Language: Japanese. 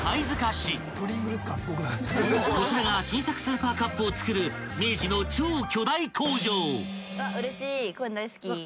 ［こちらが新作スーパーカップを作る明治の超巨大工場］